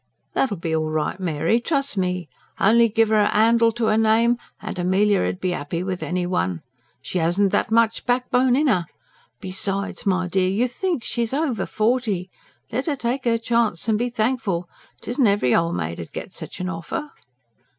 "That'll be all right, Mary, trust me. Only give 'er a handle to 'er name, and Amelia 'ud be happy with any one. She hasn't THAT much backbone in 'er. Besides, my dear, you think, she's over forty! Let her take 'er chance and be thankful. It isn't every old maid 'ud get such an offer."